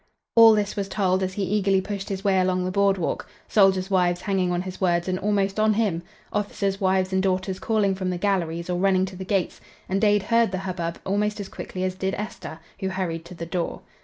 All this was told as he eagerly pushed his way along the board walk; soldiers' wives hanging on his words and almost on him; officers' wives and daughters calling from the galleries or running to the gates, and Dade heard the hubbub almost as quickly as did Esther, who hurried to the door.